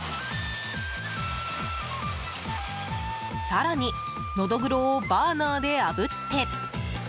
更に、ノドグロをバーナーであぶって。